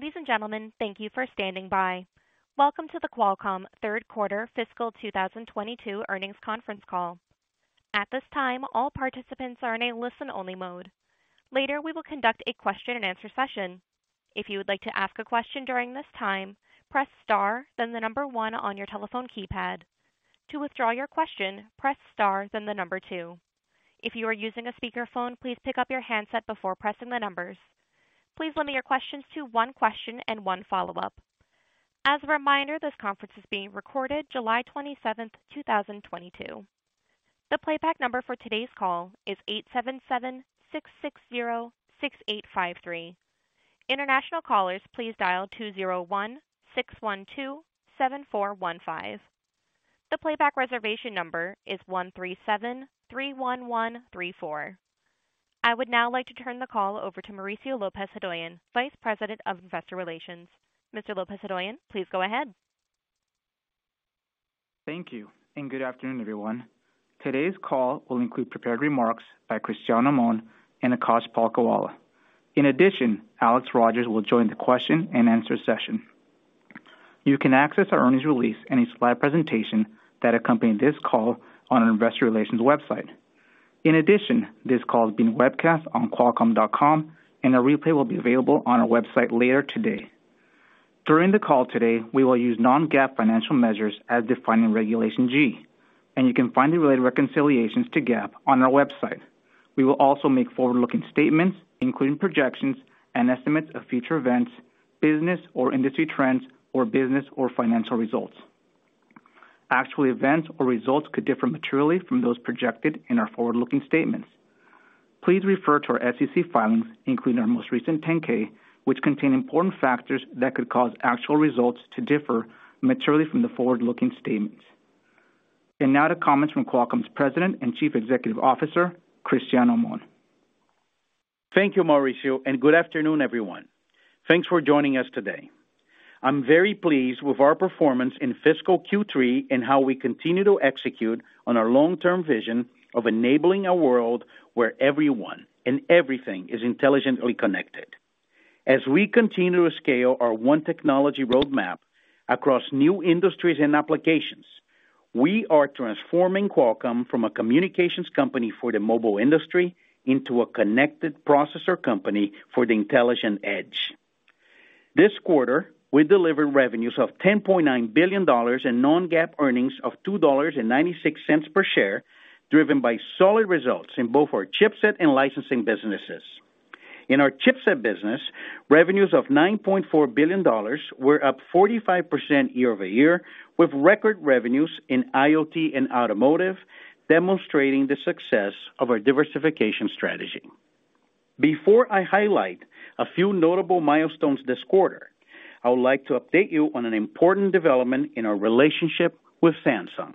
Ladies and gentlemen, thank you for standing by. Welcome to the Qualcomm third quarter fiscal 2022 earnings conference call. At this time, all participants are in a listen-only mode. Later, we will conduct a question-and-answer session. If you would like to ask a question during this time, press star then the number one on your telephone keypad. To withdraw your question, press star then the number two. If you are using a speakerphone, please pick up your handset before pressing the numbers. Please limit your questions to one question and one follow-up. As a reminder, this conference is being recorded July 27th, 2022. The playback number for today's call is 877-660-6853. International callers, please dial 201-612-7415. The playback reservation number is 13731134. I would now like to turn the call over to Mauricio Lopez-Hodoyan, Vice President of Investor Relations. Mr. Lopez-Hodoyan, please go ahead. Thank you, and good afternoon, everyone. Today's call will include prepared remarks by Cristiano Amon and Akash Palkhiwala. In addition, Alex Rogers will join the question-and-answer session. You can access our earnings release and its live presentation that accompany this call on our investor relations website. In addition, this call is being webcast on qualcomm.com, and a replay will be available on our website later today. During the call today, we will use non-GAAP financial measures as defined in Regulation G, and you can find the related reconciliations to GAAP on our website. We will also make forward-looking statements, including projections and estimates of future events, business or industry trends, or business or financial results. Actual events or results could differ materially from those projected in our forward-looking statements. Please refer to our SEC filings, including our most recent 10-K, which contain important factors that could cause actual results to differ materially from the forward-looking statements. Now to comments from Qualcomm's President and Chief Executive Officer, Cristiano Amon. Thank you, Mauricio, and good afternoon, everyone. Thanks for joining us today. I'm very pleased with our performance in fiscal Q3 and how we continue to execute on our long-term vision of enabling a world where everyone and everything is intelligently connected. As we continue to scale our One Technology Roadmap across new industries and applications, we are transforming Qualcomm from a communications company for the mobile industry into a connected processor company for the Intelligent Edge. This quarter, we delivered revenues of $10.9 billion and non-GAAP earnings of $2.96 per share, driven by solid results in both our chipset and licensing businesses. In our chipset business, revenues of $9.4 billion were up 45% year-over-year, with record revenues in IoT and automotive, demonstrating the success of our diversification strategy. Before I highlight a few notable milestones this quarter, I would like to update you on an important development in our relationship with Samsung.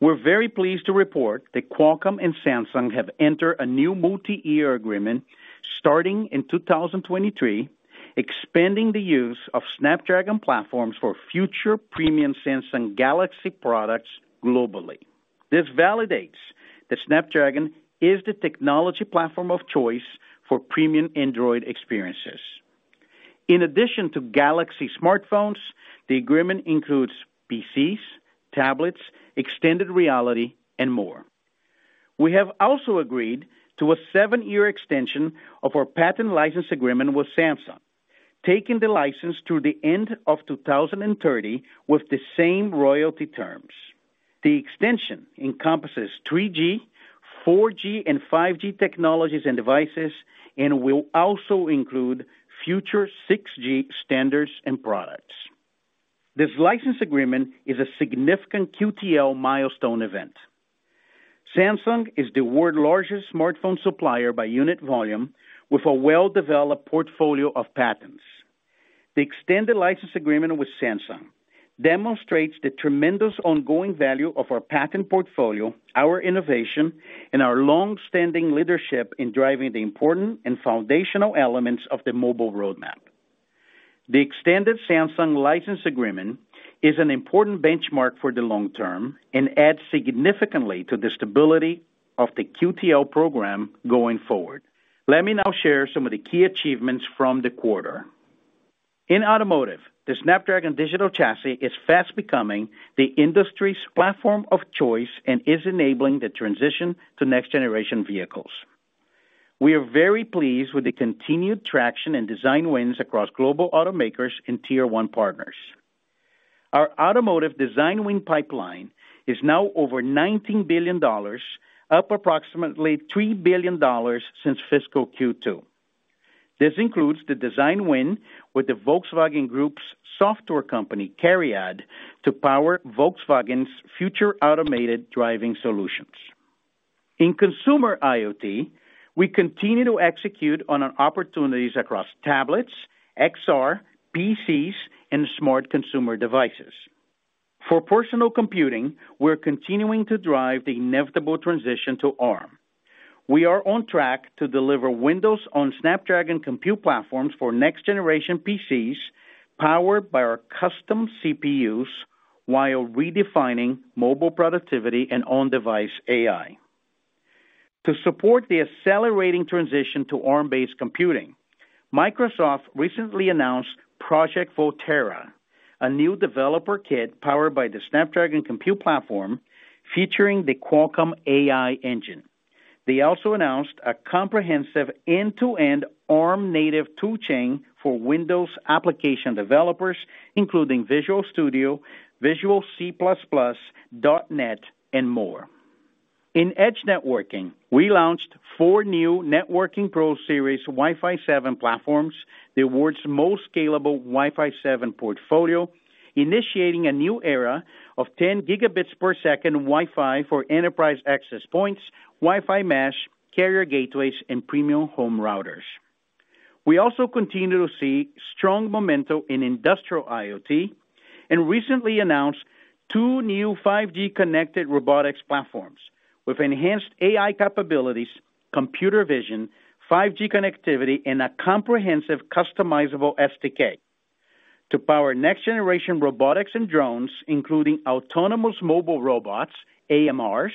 We're very pleased to report that Qualcomm and Samsung have entered a new multi-year agreement starting in 2023, expanding the use of Snapdragon platforms for future premium Samsung Galaxy products globally. This validates that Snapdragon is the technology platform of choice for premium Android experiences. In addition to Galaxy smartphones, the agreement includes PCs, tablets, extended reality, and more. We have also agreed to a seven-year extension of our patent license agreement with Samsung, taking the license to the end of 2030 with the same royalty terms. The extension encompasses 3G, 4G, and 5G technologies and devices and will also include future 6G standards and products. This license agreement is a significant QTL milestone event. Samsung is the world's largest smartphone supplier by unit volume with a well-developed portfolio of patents. The extended license agreement with Samsung demonstrates the tremendous ongoing value of our patent portfolio, our innovation, and our long-standing leadership in driving the important and foundational elements of the mobile roadmap. The extended Samsung license agreement is an important benchmark for the long term and adds significantly to the stability of the QTL program going forward. Let me now share some of the key achievements from the quarter. In automotive, the Snapdragon Digital Chassis is fast becoming the industry's platform of choice and is enabling the transition to next-generation vehicles. We are very pleased with the continued traction and design wins across global automakers and tier one partners. Our automotive design win pipeline is now over $19 billion, up approximately $3 billion since fiscal Q2. This includes the design win with the Volkswagen Group's software company, CARIAD, to power Volkswagen's future automated driving solutions. In consumer IoT, we continue to execute on our opportunities across tablets, XR, PCs, and smart consumer devices. For personal computing, we're continuing to drive the inevitable transition to Arm. We are on track to deliver Windows on Snapdragon Compute Platforms for next-generation PCs powered by our custom CPUs while redefining mobile productivity and on-device AI. To support the accelerating transition to Arm-based computing, Microsoft recently announced Project Volterra, a new developer kit powered by the Snapdragon Compute Platform, featuring the Qualcomm AI Engine. They also announced a comprehensive end-to-end Arm native toolchain for Windows application developers, including Visual Studio, Visual C++, .NET, and more. In Edge networking, we launched four new networking Pro series Wi-Fi 7 platforms, the world's most scalable Wi-Fi 7 portfolio, initiating a new era of 10 Gbps Wi-Fi for enterprise access points, Wi-Fi mesh, carrier gateways, and premium home routers. We also continue to see strong momentum in industrial IoT and recently announced two new 5G connected robotics platforms with enhanced AI capabilities, computer vision, 5G connectivity, and a comprehensive customizable SDK to power next-generation robotics and drones, including autonomous mobile robots, AMRs,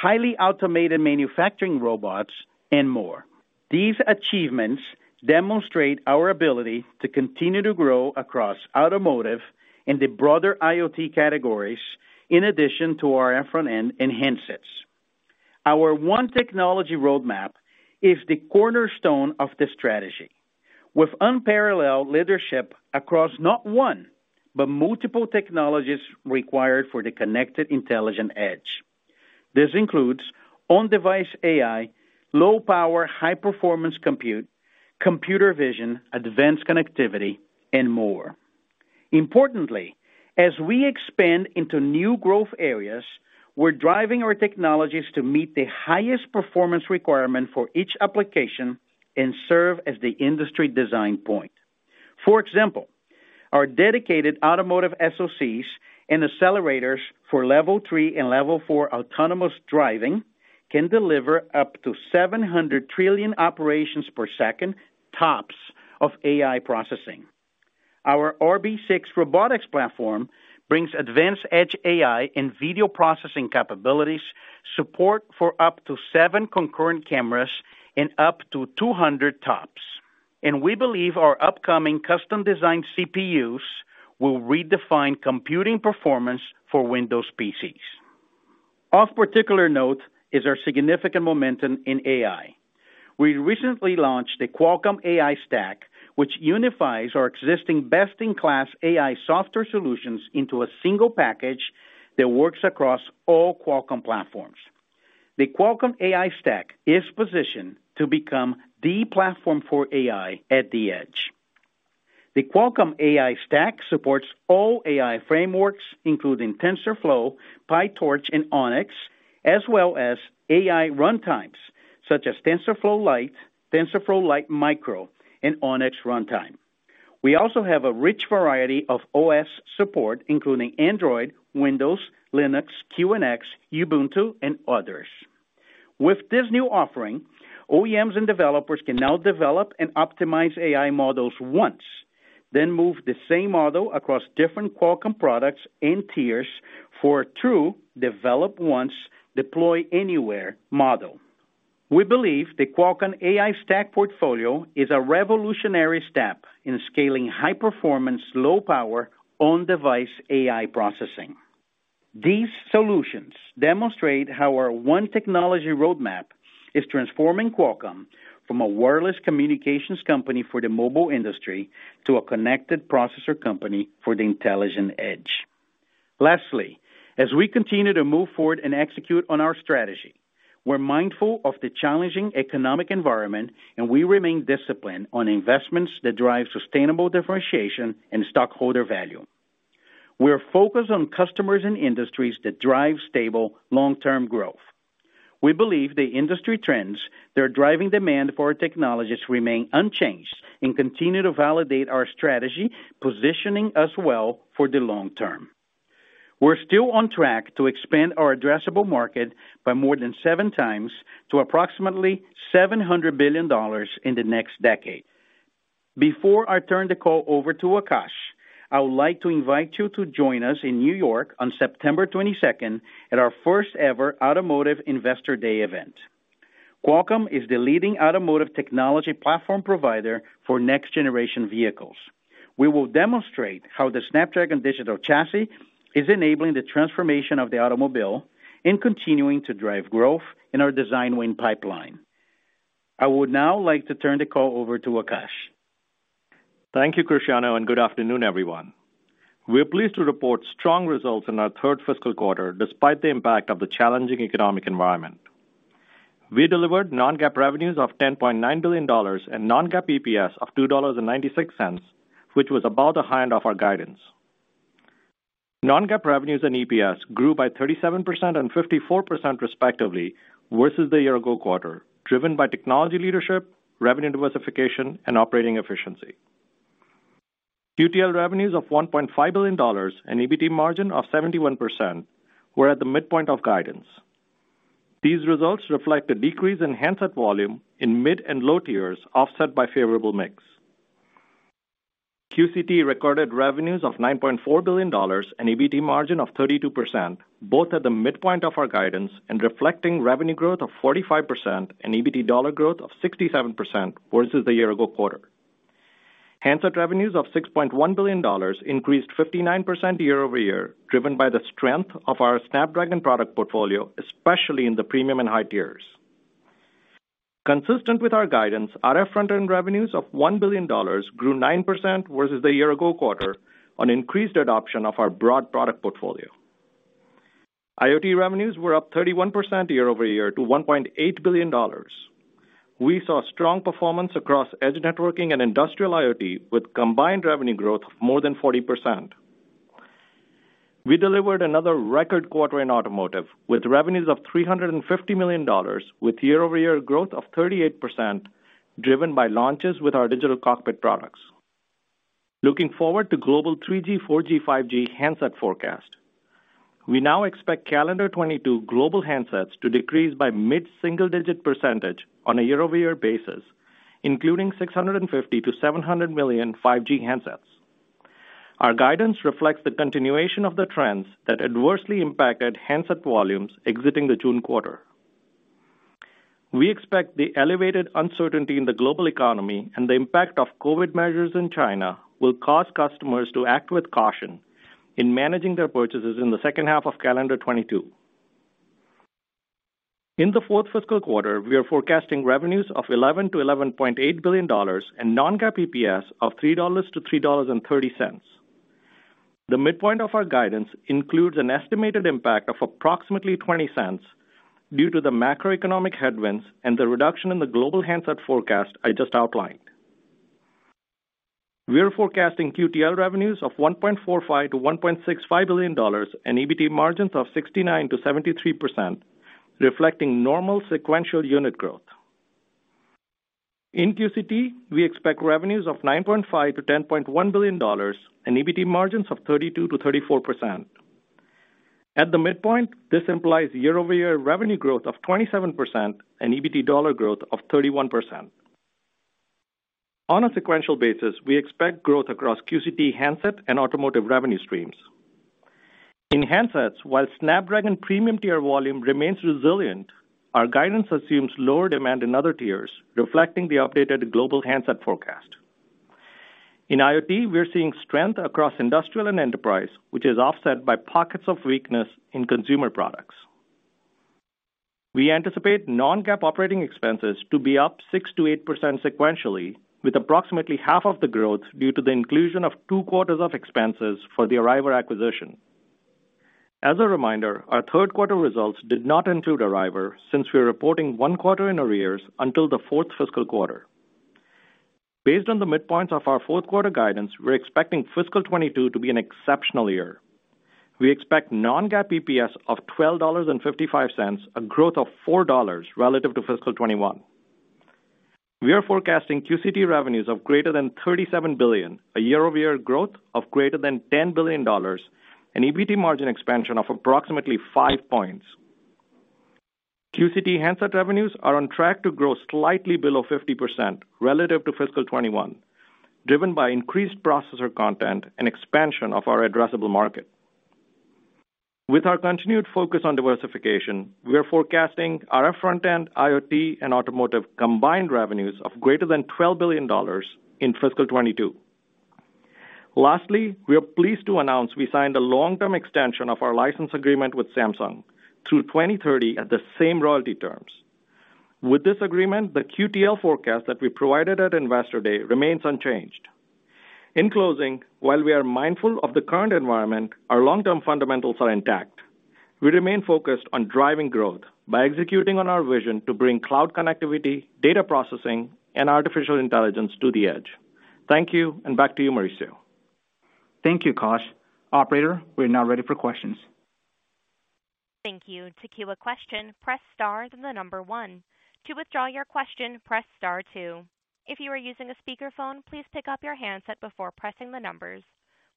highly automated manufacturing robots, and more. These achievements demonstrate our ability to continue to grow across automotive and the broader IoT categories in addition to our front-end enhancements. Our One Technology Roadmap is the cornerstone of the strategy, with unparalleled leadership across not one, but multiple technologies required for the Connected Intelligent Edge. This includes on-device AI, low power, high-performance compute, computer vision, advanced connectivity, and more. Importantly, as we expand into new growth areas, we're driving our technologies to meet the highest performance requirement for each application and serve as the industry design point. For example, our dedicated automotive SoCs and accelerators for level three and level four autonomous driving can deliver up to 700 trillion operations per second, TOPS of AI processing. Our RB6 Robotics Platform brings advanced edge AI and video processing capabilities, support for up to seven concurrent cameras and up to 200 TOPS. We believe our upcoming custom-designed CPUs will redefine computing performance for Windows PCs. Of particular note is our significant momentum in AI. We recently launched a Qualcomm AI Stack, which unifies our existing best-in-class AI software solutions into a single package that works across all Qualcomm platforms. The Qualcomm AI Stack is positioned to become the platform for AI at the edge. The Qualcomm AI Stack supports all AI frameworks, including TensorFlow, PyTorch, and ONNX, as well as AI runtimes such as TensorFlow Lite, TensorFlow Lite Micro, and ONNX Runtime. We also have a rich variety of OS support, including Android, Windows, Linux, QNX, Ubuntu, and others. With this new offering, OEMs and developers can now develop and optimize AI models once, then move the same model across different Qualcomm products and tiers for true develop once, deploy anywhere model. We believe the Qualcomm AI Stack portfolio is a revolutionary step in scaling high-performance, low power on-device AI processing. These solutions demonstrate how our One Technology Roadmap is transforming Qualcomm from a wireless communications company for the mobile industry to a connected processor company for the Intelligent Edge. Lastly, as we continue to move forward and execute on our strategy, we're mindful of the challenging economic environment, and we remain disciplined on investments that drive sustainable differentiation and stockholder value. We are focused on customers and industries that drive stable long-term growth. We believe the industry trends that are driving demand for our technologies remain unchanged and continue to validate our strategy, positioning us well for the long term. We're still on track to expand our addressable market by more than 7x to approximately $700 billion in the next decade. Before I turn the call over to Akash, I would like to invite you to join us in New York on September 22nd at our first-ever Automotive Investor Day event. Qualcomm is the leading automotive technology platform provider for next-generation vehicles. We will demonstrate how the Snapdragon Digital Chassis is enabling the transformation of the automobile and continuing to drive growth in our design win pipeline. I would now like to turn the call over to Akash. Thank you, Cristiano, and good afternoon, everyone. We're pleased to report strong results in our third fiscal quarter, despite the impact of the challenging economic environment. We delivered non-GAAP revenues of $10.9 billion and non-GAAP EPS of $2.96, which was above the high end of our guidance. Non-GAAP revenues and EPS grew by 37% and 54% respectively, versus the year-ago quarter, driven by technology leadership, revenue diversification, and operating efficiency. QTL revenues of $1.5 billion and EBT margin of 71% were at the midpoint of guidance. These results reflect a decrease in handset volume in mid and low tiers, offset by favorable mix. QCT recorded revenues of $9.4 billion and EBT margin of 32%, both at the midpoint of our guidance and reflecting revenue growth of 45% and EBT dollar growth of 67% versus the year ago quarter. Handset revenues of $6.1 billion increased 59% year-over-year, driven by the strength of our Snapdragon product portfolio, especially in the premium and high tiers. Consistent with our guidance, RF front-end revenues of $1 billion grew 9% versus the year ago quarter on increased adoption of our broad product portfolio. IoT revenues were up 31% year-over-year to $1.8 billion. We saw strong performance across edge networking and industrial IoT, with combined revenue growth of more than 40%. We delivered another record quarter in automotive, with revenues of $350 million with year-over-year growth of 38%, driven by launches with our digital cockpit products. Looking forward to global 3G, 4G, 5G handset forecast. We now expect calendar 2022 global handsets to decrease by mid-single-digit percentage on a year-over-year basis, including 650-700 million 5G handsets. Our guidance reflects the continuation of the trends that adversely impacted handset volumes exiting the June quarter. We expect the elevated uncertainty in the global economy and the impact of COVID measures in China will cause customers to act with caution in managing their purchases in the second half of calendar 2022. In the fourth fiscal quarter, we are forecasting revenues of $11 billion-$11.8 billion and non-GAAP EPS of $3-$3.30. The midpoint of our guidance includes an estimated impact of approximately $0.20 due to the macroeconomic headwinds and the reduction in the global handset forecast I just outlined. We are forecasting QTL revenues of $1.45 billion-$1.65 billion and EBT margins of 69%-73%, reflecting normal sequential unit growth. In QCT, we expect revenues of $9.5 billion-$10.1 billion and EBT margins of 32%-34%. At the midpoint, this implies year-over-year revenue growth of 27% and EBT dollar growth of 31%. On a sequential basis, we expect growth across QCT handset and automotive revenue streams. In handsets, while Snapdragon premium tier volume remains resilient, our guidance assumes lower demand in other tiers, reflecting the updated global handset forecast. In IoT, we are seeing strength across industrial and enterprise, which is offset by pockets of weakness in consumer products. We anticipate non-GAAP operating expenses to be up 6%-8% sequentially, with approximately half of the growth due to the inclusion of two quarters of expenses for the Arriver acquisition. As a reminder, our third quarter results did not include Arriver since we are reporting one quarter in arrears until the fourth fiscal quarter. Based on the midpoints of our fourth quarter guidance, we're expecting fiscal 2022 to be an exceptional year. We expect non-GAAP EPS of $12.55, a growth of $4 relative to fiscal 2021. We are forecasting QCT revenues of greater than $37 billion, a year-over-year growth of greater than $10 billion, an EBT margin expansion of approximately 5 points. QCT handset revenues are on track to grow slightly below 50% relative to fiscal 2021, driven by increased processor content and expansion of our addressable market. With our continued focus on diversification, we are forecasting RF front-end, IoT, and automotive combined revenues of greater than $12 billion in fiscal 2022. Lastly, we are pleased to announce we signed a long-term extension of our license agreement with Samsung through 2030 at the same royalty terms. With this agreement, the QTL forecast that we provided at Investor Day remains unchanged. In closing, while we are mindful of the current environment, our long-term fundamentals are intact. We remain focused on driving growth by executing on our vision to bring cloud connectivity, data processing, and artificial intelligence to the edge. Thank you, and back to you, Mauricio. Thank you, Akash. Operator, we are now ready for questions. Thank you. To queue a question, press star, then the number one. To withdraw your question, press star two. If you are using a speakerphone, please pick up your handset before pressing the numbers.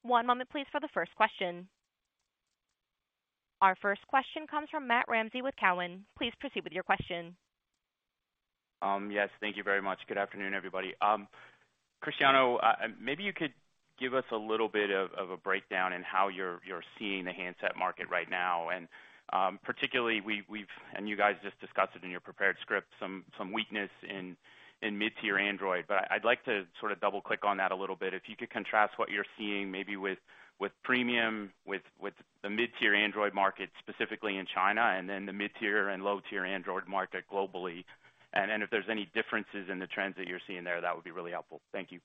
One moment please for the first question. Our first question comes from Matt Ramsay with Cowen. Please proceed with your question. Yes. Thank you very much. Good afternoon, everybody. Cristiano, maybe you could give us a little bit of a breakdown in how you're seeing the handset market right now. Particularly, and you guys just discussed it in your prepared script, some weakness in mid-tier Android. But I'd like to sort of double-click on that a little bit. If you could contrast what you're seeing maybe with premium, with the mid-tier Android market, specifically in China, and then the mid-tier and low-tier Android market globally. Then if there's any differences in the trends that you're seeing there, that would be really helpful. Thank you.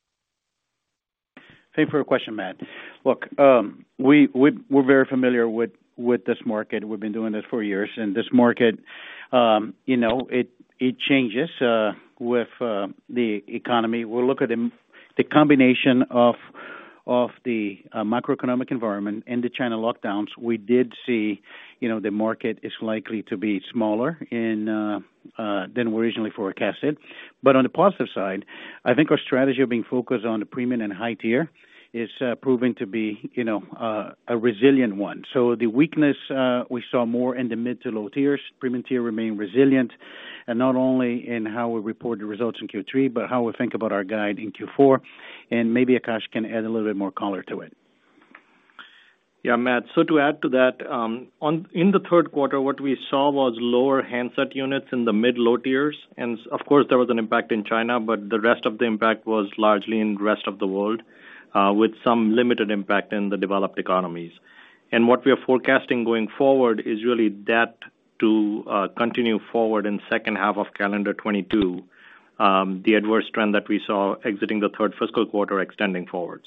Thank you for your question, Matt. Look, we're very familiar with this market. We've been doing this for years. This market, you know, it changes with the economy. We'll look at the combination of the macroeconomic environment and the China lockdowns. We did see, you know, the market is likely to be smaller than we originally forecasted. On the positive side, I think our strategy of being focused on the premium and high tier is proving to be a resilient one. The weakness we saw more in the mid to low tiers. Premium tier remained resilient. Not only in how we report the results in Q3, but how we think about our guide in Q4, and maybe Akash can add a little bit more color to it. Yeah, Matt. To add to that, in the third quarter, what we saw was lower handset units in the mid-low tiers. Of course, there was an impact in China, but the rest of the impact was largely in rest of the world, with some limited impact in the developed economies. What we are forecasting going forward is really that to continue forward in second half of calendar 2022, the adverse trend that we saw exiting the third fiscal quarter extending forward.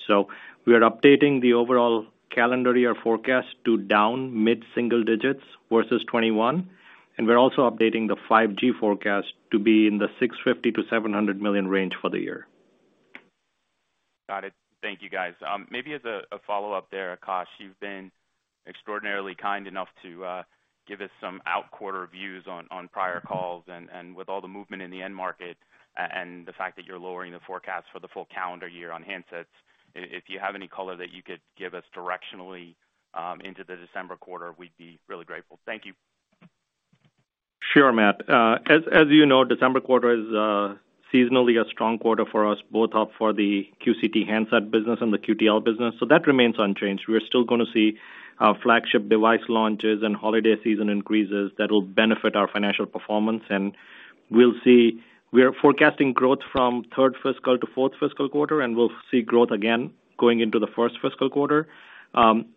We are updating the overall calendar year forecast to down mid-single digits versus 2021, and we're also updating the 5G forecast to be in the $650 million-$700 million range for the year. Got it. Thank you, guys. Maybe as a follow-up there, Akash, you've been extraordinarily kind enough to give us some outquarter views on prior calls and with all the movement in the end market and the fact that you're lowering the forecast for the full calendar year on handsets, if you have any color that you could give us directionally into the December quarter, we'd be really grateful. Thank you. Sure, Matt. As you know, December quarter is seasonally a strong quarter for us, both in the QCT handset business and the QTL business. That remains unchanged. We're still gonna see our flagship device launches and holiday season increases that will benefit our financial performance. We are forecasting growth from third fiscal to fourth fiscal quarter, and we'll see growth again going into the first fiscal quarter.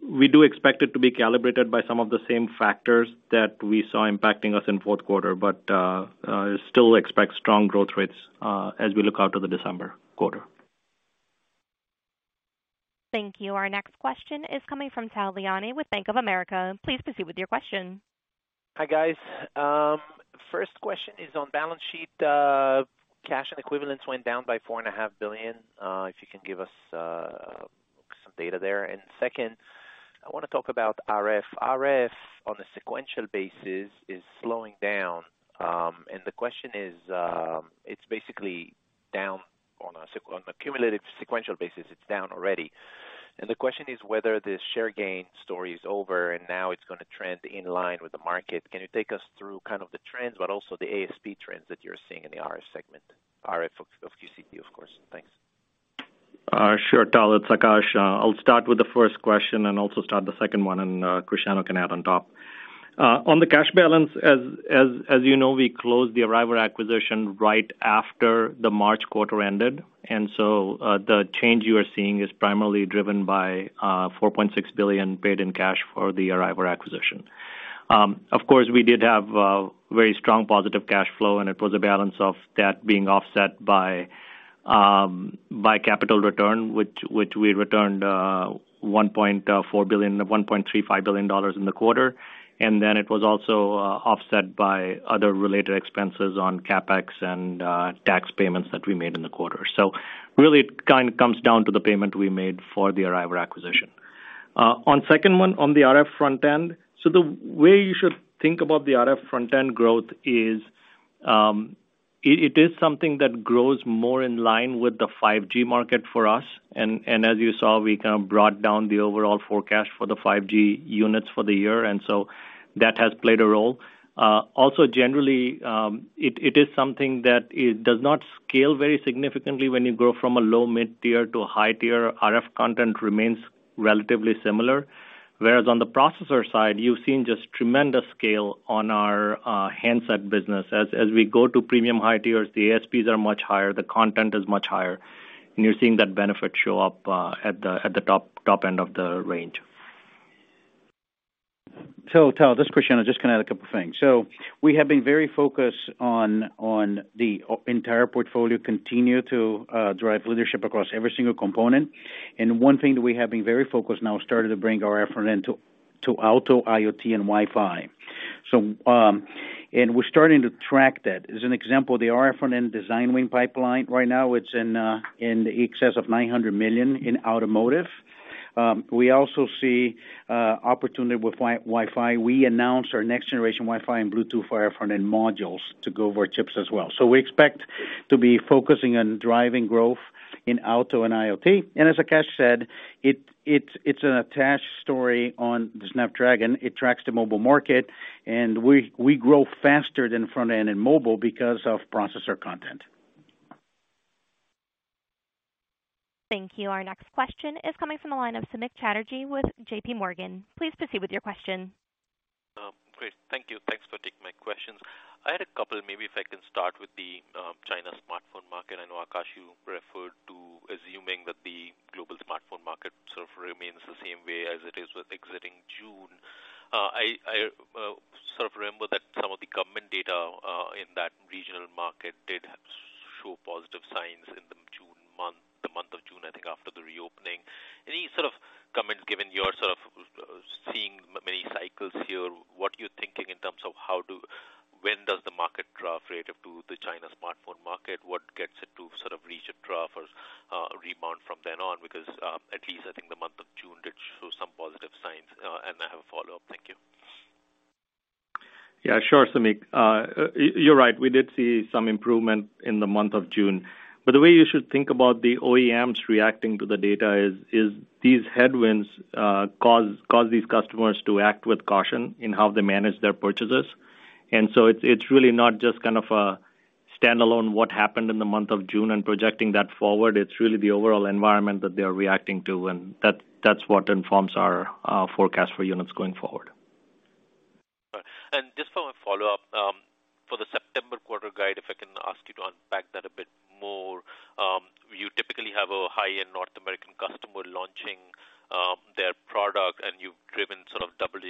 We do expect it to be calibrated by some of the same factors that we saw impacting us in fourth quarter, but still expect strong growth rates as we look out to the December quarter. Thank you. Our next question is coming from Tal Liani with Bank of America. Please proceed with your question. Hi, guys. First question is on balance sheet. Cash and equivalents went down by $4.5 billion. If you can give us some data there. Second, I wanna talk about RF. RF on a sequential basis is slowing down, and the question is, it's basically down on a cumulative sequential basis, it's down already. The question is whether the share gain story is over and now it's gonna trend in line with the market. Can you take us through kind of the trends, but also the ASP trends that you're seeing in the RF segment? RF of QCT, of course. Thanks. Sure, Tal. It's Akash. I'll start with the first question and also start the second one, and Cristiano can add on top. On the cash balance, as you know, we closed the Arriver acquisition right after the March quarter ended. The change you are seeing is primarily driven by $4.6 billion paid in cash for the Arriver acquisition. Of course, we did have very strong positive cash flow, and it was a balance of that being offset by capital return, which we returned $1.4 billion, $1.35 billion dollars in the quarter. It was also offset by other related expenses on CapEx and tax payments that we made in the quarter. Really it kind of comes down to the payment we made for the Arriver acquisition. On the second one on the RF front-end. The way you should think about the RF front-end growth is, it is something that grows more in line with the 5G market for us. And as you saw, we kind of brought down the overall forecast for the 5G units for the year, and so that has played a role. Also generally, it is something that it does not scale very significantly when you grow from a low mid-tier to a high tier. RF content remains relatively similar, whereas on the processor side, you've seen just tremendous scale on our handset business. As we go to premium high tiers, the ASPs are much higher, the content is much higher, and you're seeing that benefit show up at the top end of the range. Tal, this is Cristiano, just gonna add a couple things. We have been very focused on the entire portfolio, continue to drive leadership across every single component. One thing that we have been very focused now, started to bring RF front-end to auto, IoT, and Wi-Fi. We're starting to track that. As an example, the RF front-end design win pipeline right now, it's in excess of $900 million in automotive. We also see opportunity with Wi-Fi. We announced our next generation Wi-Fi and Bluetooth RF front-end modules to go with our chips as well. We expect to be focusing on driving growth in auto and IoT. As Akash said, it's an attached story on the Snapdragon. It tracks the mobile market, and we grow faster than front-end in mobile because of processor content. Thank you. Our next question is coming from the line of Samik Chatterjee with JPMorgan. Please proceed with your question. Great. Thank you. Thanks for taking my questions. I had a couple, maybe if I can start with the China smartphone market. I know, Akash, you referred to assuming that the global smartphone market sort of remains the same way as it is with exiting June. I sort of remember that some of the government data in that regional market did show positive signs in the June month, the month of June, I think, after the reopening. Any sort of comments given you are sort of seeing many cycles here, what are you thinking in terms of when does the market trough relative to the China smartphone market? What gets it to sort of reach a trough or rebound from then on? Because at least I think the month of June did show some positive signs. I have a follow-up. Thank you. Yeah, sure, Samik. You're right. We did see some improvement in the month of June. The way you should think about the OEMs reacting to the data is these headwinds cause these customers to act with caution in how they manage their purchases. It's really not just kind of a standalone what happened in the month of June and projecting that forward. It's really the overall environment that they are reacting to, and that's what informs our forecast for units going forward. All right. Just for my follow-up, for the September quarter guide, if I can ask you to unpack that a bit more. You typically have a high-end North American customer launching their product, and you've driven sort of double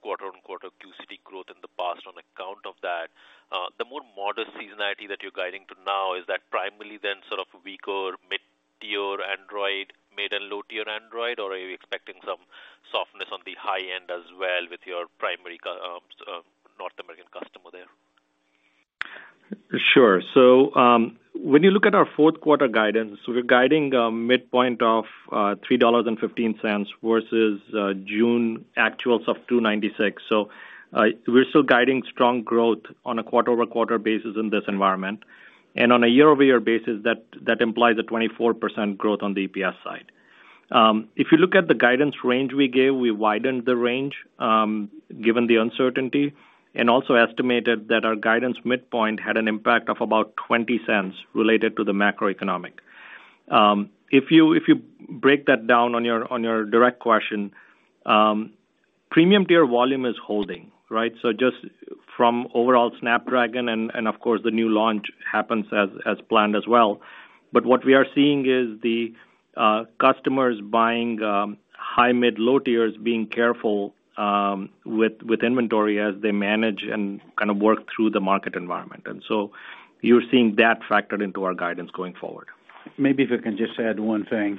quarter-over-quarter QCT growth in the past on account of that. The more modest seasonality that you're guiding to now, is that primarily then sort of weaker mid-tier Android, mid and low-tier Android? Are you expecting some softness on the high end as well with your primary North American customer there? Sure. When you look at our fourth quarter guidance, we're guiding a midpoint of $3.15 versus June actuals of $2.96. We're still guiding strong growth on a quarter-over-quarter basis in this environment. On a year-over-year basis, that implies a 24% growth on the EPS side. If you look at the guidance range we gave, we widened the range given the uncertainty, and also estimated that our guidance midpoint had an impact of about $0.20 related to the macroeconomic. If you break that down on your direct question, premium tier volume is holding, right? Just from overall Snapdragon and of course, the new launch happens as planned as well. What we are seeing is the customers buying high, mid, low tiers being careful with inventory as they manage and kind of work through the market environment. You're seeing that factored into our guidance going forward. Maybe if I can just add one thing,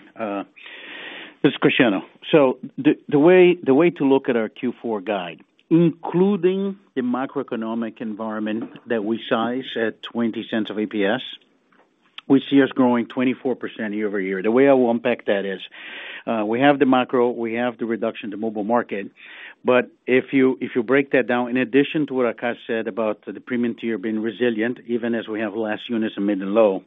this is Cristiano. The way to look at our Q4 guide, including the macroeconomic environment that we size at $0.20 EPS, we see us growing 24% year-over-year. The way I will unpack that is, we have the macro, we have the reduction in mobile market. If you break that down, in addition to what Akash said about the premium tier being resilient, even as we have less units in mid and low,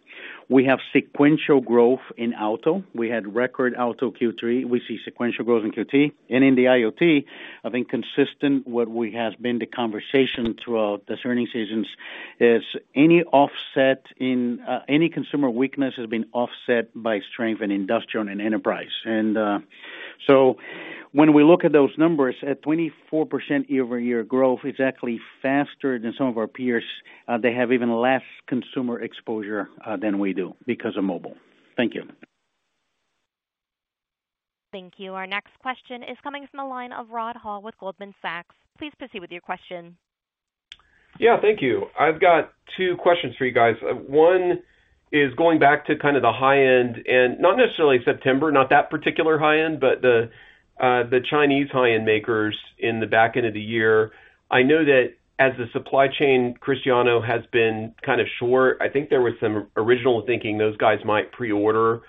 we have sequential growth in auto. We had record auto Q3. We see sequential growth in Q3. In the IoT, I think consistent with what has been the conversation throughout this earnings season is any offset in consumer weakness has been offset by strength in industrial and enterprise. When we look at those numbers, at 24% year-over-year growth is actually faster than some of our peers. They have even less consumer exposure than we do because of mobile. Thank you. Thank you. Our next question is coming from the line of Rod Hall with Goldman Sachs. Please proceed with your question. Yeah, thank you. I've got two questions for you guys. One is going back to kind of the high end and not necessarily September, not that particular high end, but the Chinese high-end makers in the back end of the year. I know that the supply chain, Cristiano, has been kind of short. I think there was some original thinking those guys might pre-order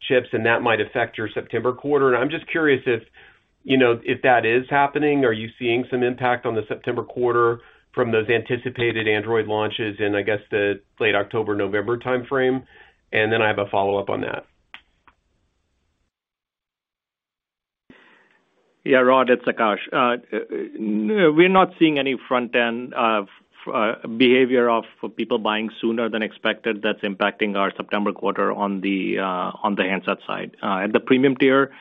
chips, and that might affect your September quarter. I'm just curious if that is happening, are you seeing some impact on the September quarter from those anticipated Android launches in, I guess, the late October, November timeframe? Then I have a follow-up on that. Yeah, Rod, it's Akash. No, we're not seeing any front-end behavior of people buying sooner than expected that's impacting our September quarter on the handset side. At the premium tier,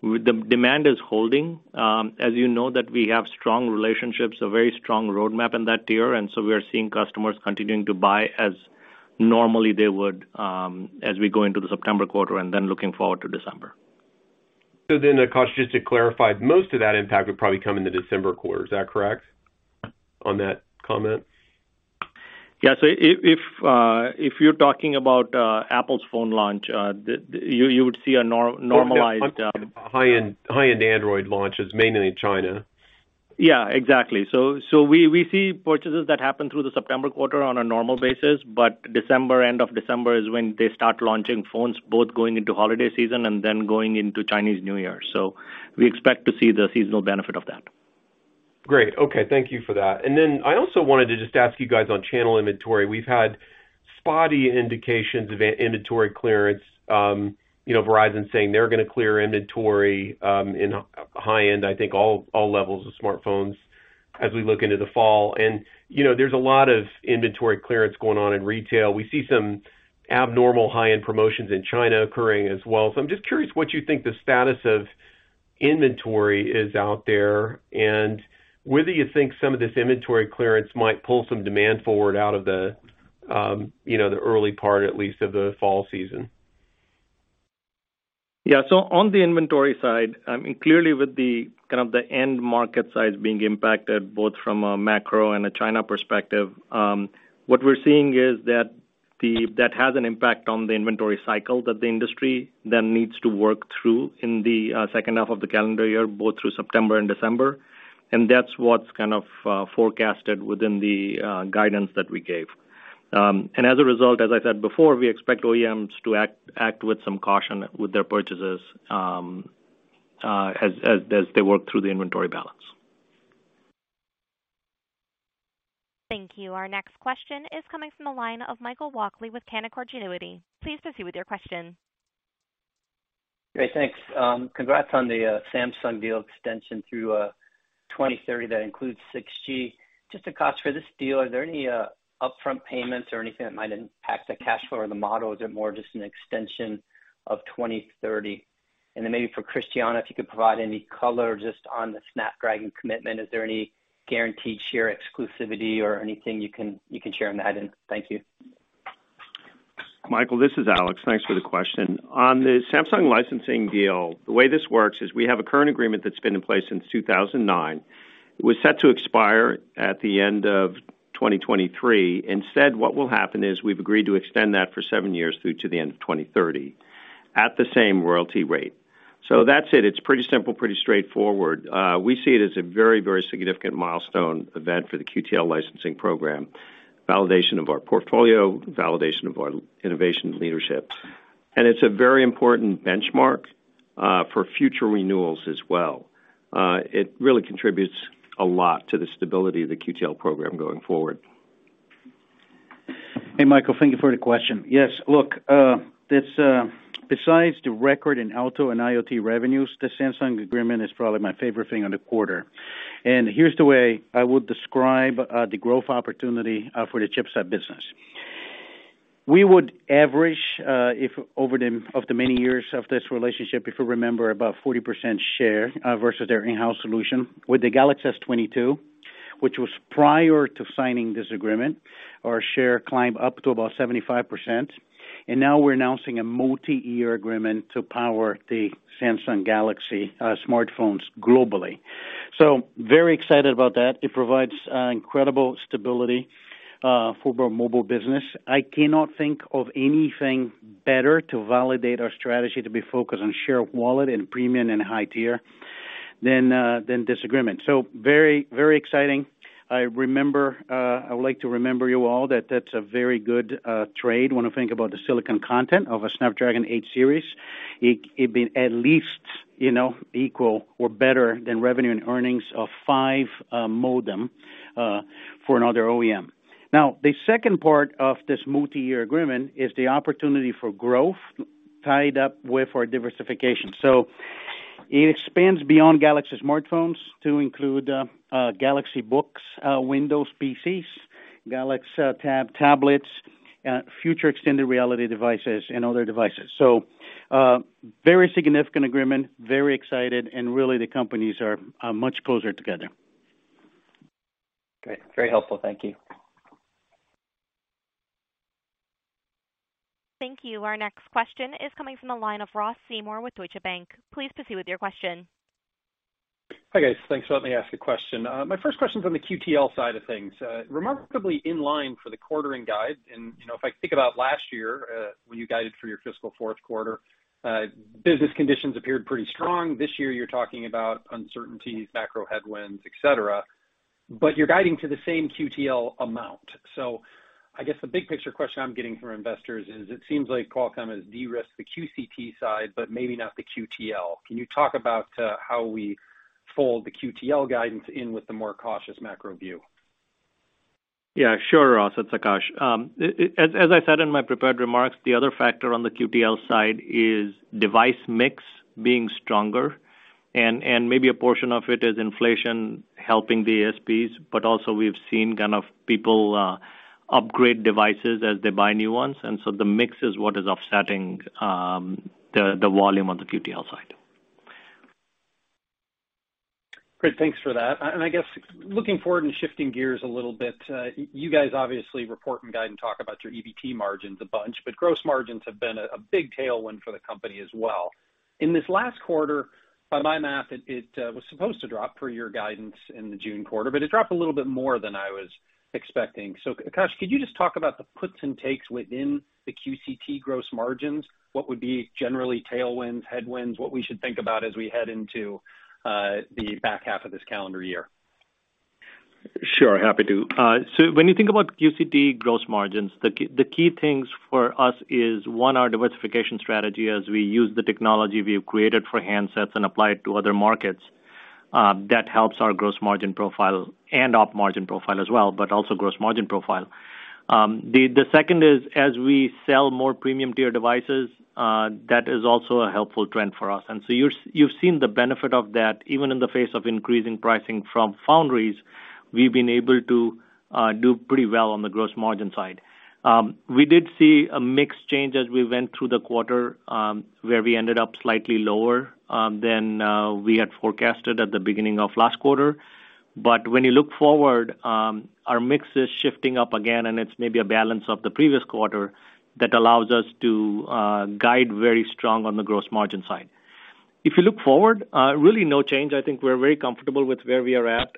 the demand is holding. As you know, that we have strong relationships, a very strong roadmap in that tier, and so we are seeing customers continuing to buy as normally they would, as we go into the September quarter and then looking forward to December. Akash, just to clarify, most of that impact would probably come in the December quarter. Is that correct on that comment? If you're talking about Apple's phone launch, then you would see a normalized- High-end Android launches, mainly in China. Yeah, exactly. We see purchases that happen through the September quarter on a normal basis, but December, end of December is when they start launching phones, both going into holiday season and then going into Chinese New Year. We expect to see the seasonal benefit of that. Great. Okay. Thank you for that. I also wanted to just ask you guys on channel inventory. We've had spotty indications of in inventory clearance. You know, Verizon saying they're gonna clear inventory in high-end, I think all levels of smartphones as we look into the fall. You know, there's a lot of inventory clearance going on in retail. We see some abnormal high-end promotions in China occurring as well. I'm just curious what you think the status of inventory is out there and whether you think some of this inventory clearance might pull some demand forward out of the, you know, the early part, at least of the fall season. Yeah. On the inventory side, I mean, clearly with the kind of the end market size being impacted, both from a macro and a China perspective, what we're seeing is that that has an impact on the inventory cycle that the industry then needs to work through in the second half of the calendar year, both through September and December. That's what's kind of forecasted within the guidance that we gave. As a result, as I said before, we expect OEMs to act with some caution with their purchases, as they work through the inventory balance. Thank you. Our next question is coming from the line of Michael Walkley with Canaccord Genuity. Please proceed with your question. Great. Thanks. Congrats on the Samsung deal extension through 2030 that includes 6G. Just to Akash, for this deal, are there any upfront payments or anything that might impact the cash flow or the model? Is it more just an extension of 2030? Then maybe for Cristiano, if you could provide any color just on the Snapdragon commitment, is there any guaranteed share exclusivity or anything you can share on that end? Thank you. Michael, this is Alex. Thanks for the question. On the Samsung licensing deal, the way this works is we have a current agreement that's been in place since 2009. It was set to expire at the end of 2023. Instead, what will happen is we've agreed to extend that for seven years through to the end of 2030 at the same royalty rate. That's it. It's pretty simple, pretty straightforward. We see it as a very, very significant milestone event for the QTL licensing program, validation of our portfolio, validation of our innovation leadership. It's a very important benchmark for future renewals as well. It really contributes a lot to the stability of the QTL program going forward. Hey, Michael, thank you for the question. Yes, look, this besides the record in auto and IoT revenues, the Samsung agreement is probably my favorite thing in the quarter. Here's the way I would describe the growth opportunity for the chipset business. We would average, if over the many years of this relationship, if you remember, about 40% share versus their in-house solution. With the Galaxy S22, which was prior to signing this agreement, our share climbed up to about 75%. Now we're announcing a multi-year agreement to power the Samsung Galaxy smartphones globally. Very excited about that. It provides incredible stability for our mobile business. I cannot think of anything better to validate our strategy to be focused on share of wallet and premium and high tier than this agreement. Very, very exciting. I remember, I would like to remember you all that that's a very good trade when I think about the silicon content of a Snapdragon 8 series. It been at least, you know, equal or better than revenue and earnings of five modem for another OEM. Now, the second part of this multi-year agreement is the opportunity for growth tied up with our diversification. It expands beyond Galaxy smartphones to include Galaxy Books, Windows PCs, Galaxy Tab tablets, future extended reality devices and other devices. Very significant agreement. Very excited, and really the companies are much closer together. Great. Very helpful. Thank you. Thank you. Our next question is coming from the line of Ross Seymore with Deutsche Bank. Please proceed with your question. Hi, guys. Thanks for letting me ask a question. My first question is on the QTL side of things. Remarkably in line for the quarter and guide and, you know, if I think about last year, when you guided for your fiscal fourth quarter, business conditions appeared pretty strong. This year you're talking about uncertainties, macro headwinds, etcetera, but you're guiding to the same QTL amount. I guess the big picture question I'm getting from investors is it seems like Qualcomm has de-risked the QCT side, but maybe not the QTL. Can you talk about how we fold the QTL guidance in with the more cautious macro view? Yeah, sure, Ross. It's Akash. As I said in my prepared remarks, the other factor on the QTL side is device mix being stronger and maybe a portion of it is inflation helping the ASPs, but also we've seen kind of people upgrade devices as they buy new ones. The mix is what is offsetting the volume on the QTL side. Great. Thanks for that. I guess looking forward and shifting gears a little bit, you guys obviously report and guide and talk about your EBT margins a bunch, but gross margins have been a big tailwind for the company as well. In this last quarter, by my math, it was supposed to drop per your guidance in the June quarter, but it dropped a little bit more than I was expecting. Akash, could you just talk about the puts and takes within the QCT gross margins? What would be generally tailwinds, headwinds, what we should think about as we head into the back half of this calendar year? Sure. Happy to. So when you think about QCT gross margins, the key things for us is, one, our diversification strategy as we use the technology we have created for handsets and apply it to other markets, that helps our gross margin profile and op margin profile as well, but also gross margin profile. The second is as we sell more premium tier devices, that is also a helpful trend for us. You've seen the benefit of that even in the face of increasing pricing from foundries, we've been able to do pretty well on the gross margin side. We did see a mix change as we went through the quarter, where we ended up slightly lower than we had forecasted at the beginning of last quarter. When you look forward, our mix is shifting up again, and it's maybe a balance of the previous quarter that allows us to guide very strong on the gross margin side. If you look forward, really no change. I think we're very comfortable with where we are at.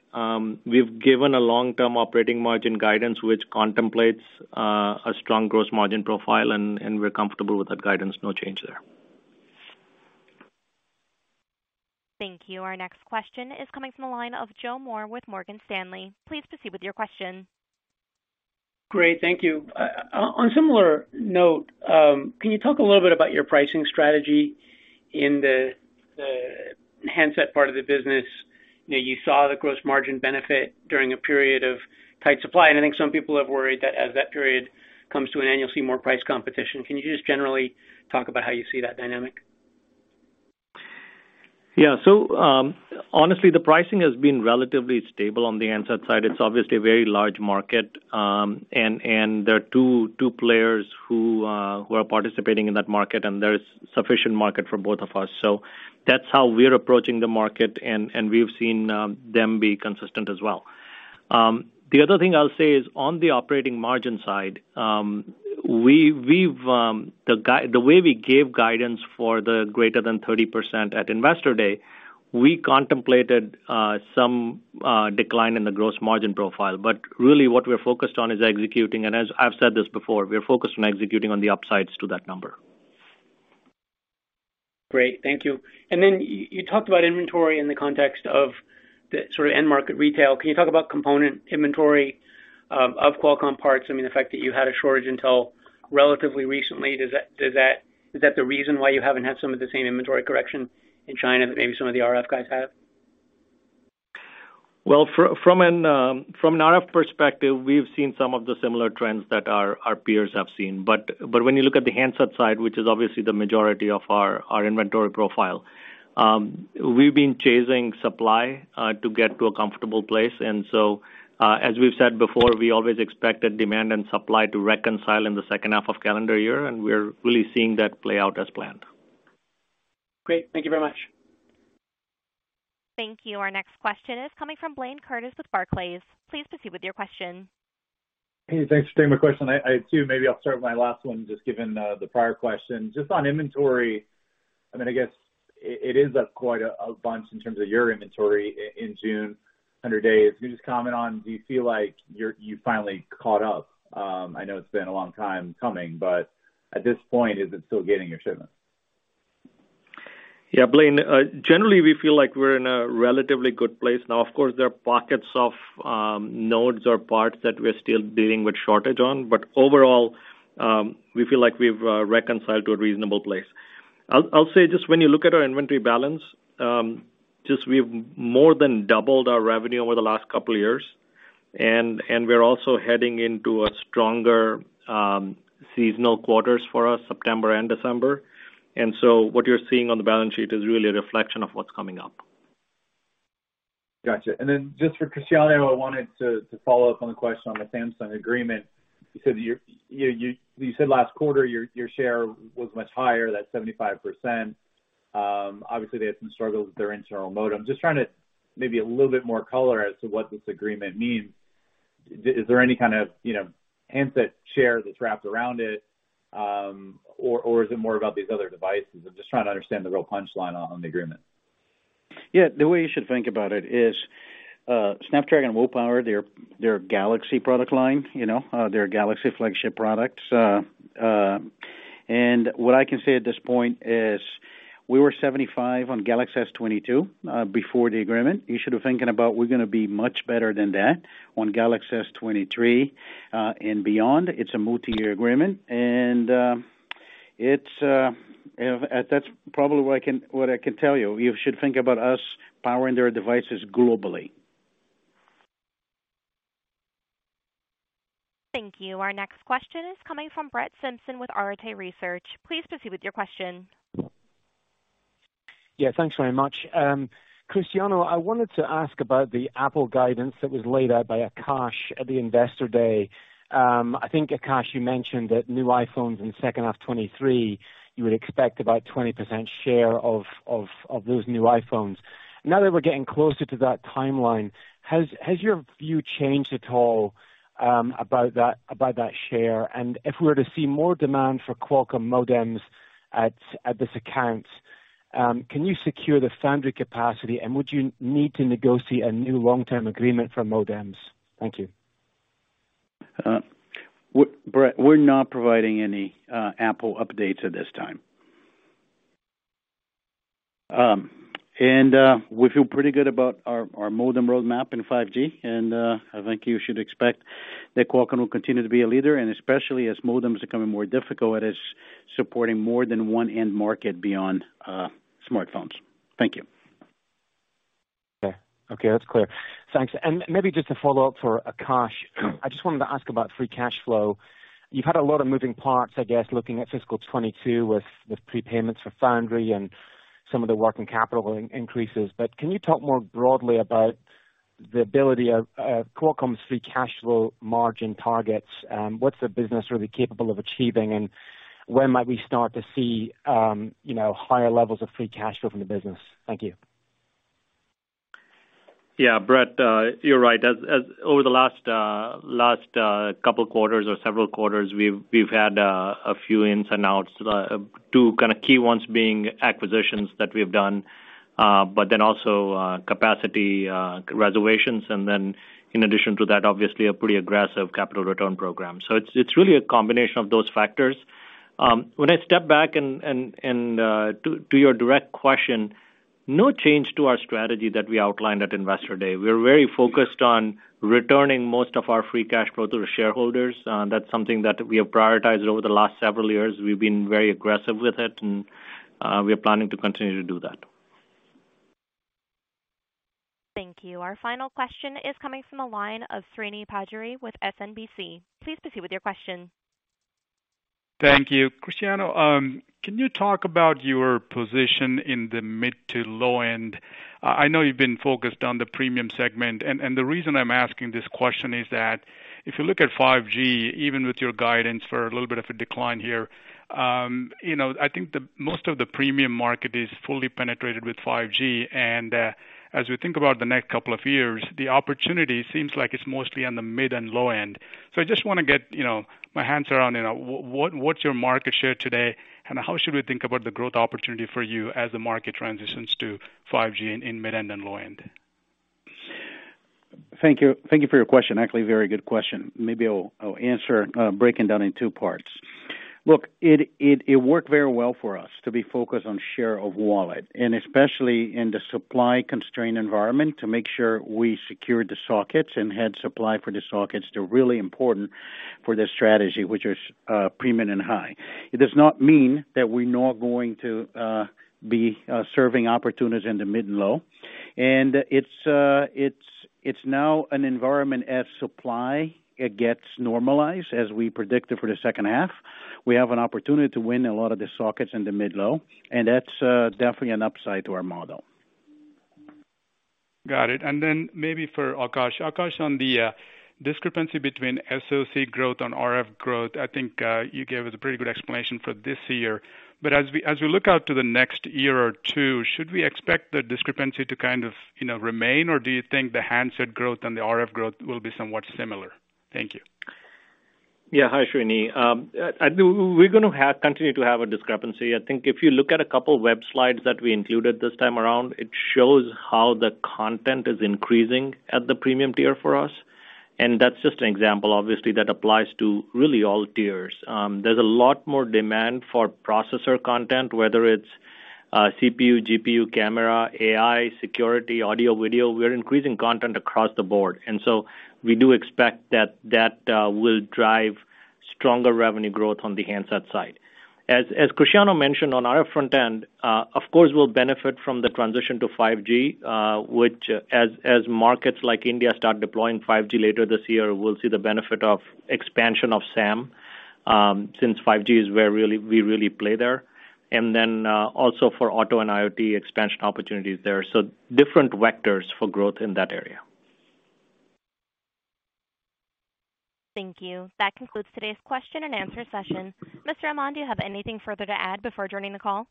We've given a long-term operating margin guidance, which contemplates a strong gross margin profile, and we're comfortable with that guidance. No change there. Thank you. Our next question is coming from the line of Joe Moore with Morgan Stanley. Please proceed with your question. Great. Thank you. On similar note, can you talk a little bit about your pricing strategy in the handset part of the business. You know, you saw the gross margin benefit during a period of tight supply, and I think some people have worried that as that period comes to an end, you'll see more price competition. Can you just generally talk about how you see that dynamic? Yeah. Honestly, the pricing has been relatively stable on the handset side. It's obviously a very large market, and there are two players who are participating in that market, and there is sufficient market for both of us. That's how we're approaching the market, and we've seen them be consistent as well. The other thing I'll say is on the operating margin side, we've the way we gave guidance for the greater than 30% at Investor Day, we contemplated some decline in the gross margin profile. Really what we're focused on is executing, and as I've said this before, we are focused on executing on the upsides to that number. Great. Thank you. You talked about inventory in the context of the sort of end market retail. Can you talk about component inventory of Qualcomm parts? I mean, the fact that you had a shortage until relatively recently, is that the reason why you haven't had some of the same inventory correction in China that maybe some of the RF guys have? From an RF perspective, we've seen some of the similar trends that our peers have seen. When you look at the handset side, which is obviously the majority of our inventory profile, we've been chasing supply to get to a comfortable place. As we've said before, we always expected demand and supply to reconcile in the second half of calendar year, and we're really seeing that play out as planned. Great. Thank you very much. Thank you. Our next question is coming from Blayne Curtis with Barclays. Please proceed with your question. Hey, thanks for taking my question. I too, maybe I'll start my last one just given the prior question. Just on inventory, I mean, I guess it is quite a bunch in terms of your inventory in June under days. Can you just comment on, do you feel like you're finally caught up? I know it's been a long time coming, but at this point, is it still constraining your shipment? Yeah. Blayne, generally we feel like we're in a relatively good place now. Of course, there are pockets of nodes or parts that we are still dealing with shortage on, but overall, we feel like we've reconciled to a reasonable place. I'll say just when you look at our inventory balance, just we've more than doubled our revenue over the last couple of years, and we are also heading into a stronger seasonal quarters for us, September and December. What you're seeing on the balance sheet is really a reflection of what's coming up. Gotcha. Just for Cristiano, I wanted to follow up on the question on the Samsung agreement. You said last quarter your share was much higher, that 75%. Obviously they had some struggles with their internal modem. Just trying to get a little bit more color as to what this agreement means. Is there any kind of, you know, handset share that's wrapped around it, or is it more about these other devices? I'm just trying to understand the real punchline on the agreement. Yeah. The way you should think about it is, Snapdragon and, [inaudible] they're Galaxy product line, you know, they're Galaxy flagship products. What I can say at this point is we were 75 on Galaxy S22 before the agreement. You should be thinking about we're gonna be much better than that on Galaxy S23 and beyond. It's a multi-year agreement, and that's probably what I can tell you. You should think about us powering their devices globally. Thank you. Our next question is coming from Brett Simpson with Arete Research. Please proceed with your question. Yeah, thanks very much. Cristiano, I wanted to ask about the Apple guidance that was laid out by Akash at the Investor Day. I think, Akash, you mentioned that new iPhones in second half 2023, you would expect about 20% share of those new iPhones. Now that we're getting closer to that timeline, has your view changed at all, about that share? If we were to see more demand for Qualcomm modems at this account, can you secure the foundry capacity, and would you need to negotiate a new long-term agreement for modems? Thank you. Brett, we're not providing any Apple updates at this time. We feel pretty good about our modem roadmap in 5G and I think you should expect that Qualcomm will continue to be a leader and especially as modems are becoming more difficult, it is supporting more than one end market beyond smartphones. Thank you. Okay. Okay, that's clear. Thanks. Maybe just a follow-up for Akash. I just wanted to ask about free cash flow. You've had a lot of moving parts, I guess, looking at fiscal 2022 with prepayments for foundry and some of the working capital increases. Can you talk more broadly about the ability of Qualcomm's free cash flow margin targets? What's the business really capable of achieving, and when might we start to see, you know, higher levels of free cash flow from the business? Thank you. Yeah, Brett, you're right. Over the last couple quarters or several quarters, we've had a few ins and outs. Two kinda key ones being acquisitions that we've done, but then also capacity reservations. In addition to that, obviously a pretty aggressive capital return program. It's really a combination of those factors. When I step back to your direct question, no change to our strategy that we outlined at Investor Day. We're very focused on returning most of our free cash flow to the shareholders. That's something that we have prioritized over the last several years. We've been very aggressive with it and we are planning to continue to do that. Thank you. Our final question is coming from the line of Srini Pajjuri with SMBC. Please proceed with your question. Thank you. Cristiano, can you talk about your position in the mid to low end? I know you've been focused on the premium segment, and the reason I'm asking this question is that if you look at 5G, even with your guidance for a little bit of a decline here, you know, I think most of the premium market is fully penetrated with 5G, and as we think about the next couple of years, the opportunity seems like it's mostly on the mid and low end. I just wanna get, you know, my hands around, you know, what's your market share today, and how should we think about the growth opportunity for you as the market transitions to 5G in mid-end and low end? Thank you. Thank you for your question. Actually, very good question. Maybe I'll answer, breaking down in two parts. Look, it worked very well for us to be focused on share of wallet and especially in the supply-constrained environment, to make sure we secured the sockets and had supply for the sockets. They're really important for the strategy, which is premium and high. It does not mean that we're not going to be serving opportunists in the mid and low. It's now an environment as supply gets normalized as we predicted for the second half. We have an opportunity to win a lot of the sockets in the mid low, and that's definitely an upside to our model. Got it. Maybe for Akash. Akash, on the discrepancy between SoC growth and RF growth, I think you gave us a pretty good explanation for this year. As we look out to the next year or two, should we expect the discrepancy to kind of, you know, remain, or do you think the handset growth and the RF growth will be somewhat similar? Thank you. Yeah. Hi, Srini. We're gonna have, continue to have a discrepancy. I think if you look at a couple web slides that we included this time around, it shows how the content is increasing at the premium tier for us, and that's just an example, obviously, that applies to really all tiers. There's a lot more demand for processor content, whether it's CPU, GPU, camera, AI, security, audio, video. We are increasing content across the board, and so we do expect that will drive stronger revenue growth on the handset side. Cristiano mentioned on our front end, of course, we'll benefit from the transition to 5G, which, as markets like India start deploying 5G later this year, we'll see the benefit of expansion of SAM, since 5G is where we really play there. Also for auto and IoT expansion opportunities there. Different vectors for growth in that area. Thank you. That concludes today's question and answer session. Mr. Amon, do you have anything further to add before adjourning the call?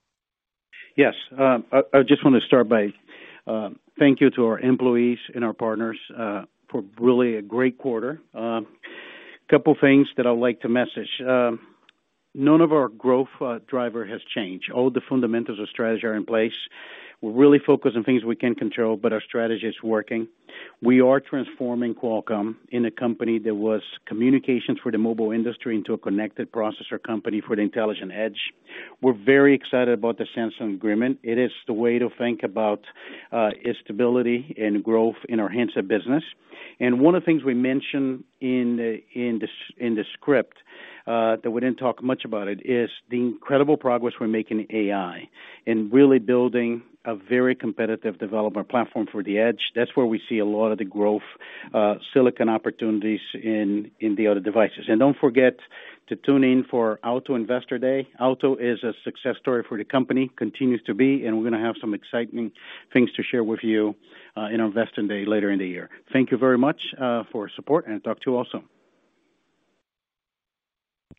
Yes. I just want to start by thanking our employees and our partners for really a great quarter. A couple things that I'd like to message. None of our growth drivers has changed. All the fundamentals of strategy are in place. We're really focused on things we can control, but our strategy is working. We are transforming Qualcomm into a company that was communications for the mobile industry into a connected processor company for the Intelligent Edge. We're very excited about the Samsung agreement. It is the way to think about stability and growth in our handset business. One of the things we mentioned in the script that we didn't talk much about it is the incredible progress we're making in AI and really building a very competitive development platform for the Edge. That's where we see a lot of the growth, silicon opportunities in the other devices. Don't forget to tune in for Auto Investor Day. Auto is a success story for the company, continues to be, and we're gonna have some exciting things to share with you in our Investor Day later in the year. Thank you very much for support and talk to you all soon.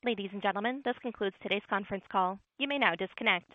Ladies and gentlemen, this concludes today's conference call. You may now disconnect.